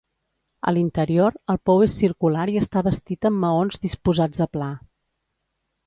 A l'interior, el pou és circular i està bastit amb maons disposats a pla.